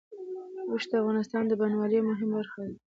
اوښ د افغانستان د بڼوالۍ یوه مهمه برخه ده.